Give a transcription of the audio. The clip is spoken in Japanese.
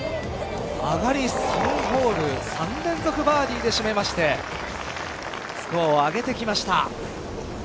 上がり３ホール３連続バーディーで締めましてスコアを上げてきました。